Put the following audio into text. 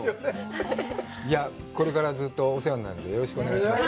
これからずっとお世話になるんで、よろしくお願いします。